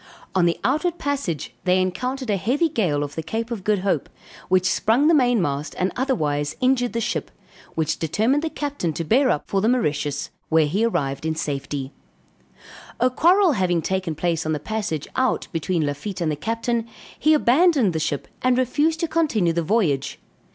On the outward passage they encountered a heavy gale off the Cape of Good Hope, which sprung the mainmast and otherwise injured the ship, which determined the captain to bear up for the Mauritius, where he arrived in safety; a quarrel having taken place on the passage out between Lafitte and the captain, he abandoned the ship and refused to continue the voyage.